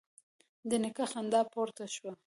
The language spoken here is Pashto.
د نيکه خندا پورته شوه: